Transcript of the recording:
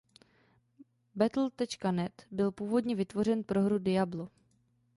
Battle.net byl původně vytvořen pro hru Diablo.